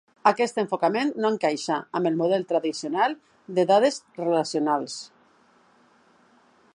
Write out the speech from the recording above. Aquest enfocament no encaixa amb el model tradicional de dades relacionals.